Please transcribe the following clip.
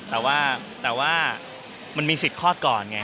แต่ว่ามันมีสิทธิ์คลอดก่อนไง